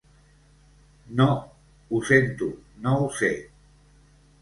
No, ho sento, no ho sé.